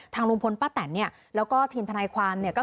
ทางลุงพลป้าแตนแล้วก็ทีมทนายความ